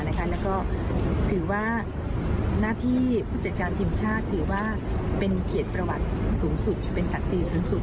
แล้วก็ถือว่าหน้าที่ผู้จัดการทีมชาติถือว่าเป็นเกียรติประวัติสูงสุดเป็นศักดิ์ศรีสูงสุด